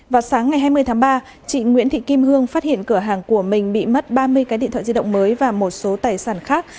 vào sáng ngày hai mươi tháng ba chị nguyễn thị kim hương phát hiện cửa hàng của mình bị mất ba mươi cái điện thoại di động mới và một số tài sản khác